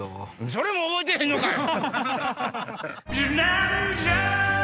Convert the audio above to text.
それも覚えてへんのかい！